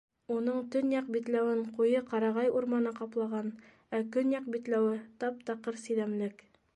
Уның төньяҡ битләүен ҡуйы ҡарағай урманы ҡаплаған, ә көньяҡ битләүе тап-таҡыр сиҙәмлек.